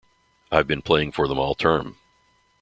I've been playing for them all term.